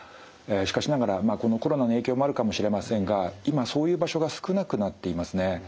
しかしながらまあこのコロナの影響もあるかもしれませんが今そういう場所が少なくなっていますね。